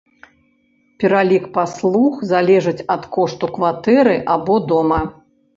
Пералік паслуг залежыць ад кошту кватэры або дома.